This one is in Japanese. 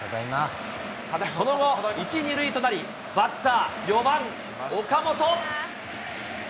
その後、１、２塁となり、バッター、４番岡本。